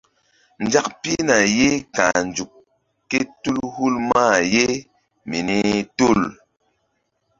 Nzak pihna ye ka̧h nzuk kétul hul mah ye mini tul.